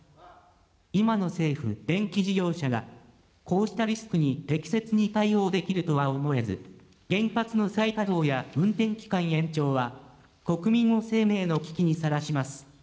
今の政府、電気事業者がこうしたリスクに適切に対応できるとは思えず、原発の再稼働や運転期間延長は、国民を生命の危機にさらします。